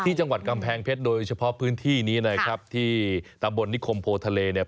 ที่จังหวัดกำแพงเพชรโดยเฉพาะพื้นที่นี้นะครับที่ตำบลนิคมโพทะเลเนี่ย